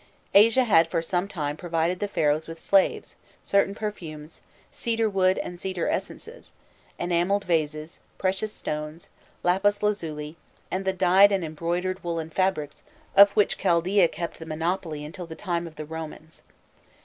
Asia had for some time provided the Pharaohs with slaves, certain perfumes, cedar wood and cedar essences, enamelled vases, precious stones, lapis lazuli, and the dyed and embroidered woollen fabrics of which Chaldæa kept the monopoly until the time of the Komans.